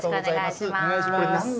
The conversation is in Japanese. よろしくお願いします。